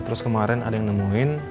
terus kemarin ada yang nemuin